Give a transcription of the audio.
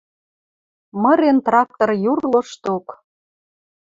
Мырен трактор юр лошток.